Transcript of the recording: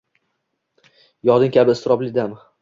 Yoding kabi iztirobli dam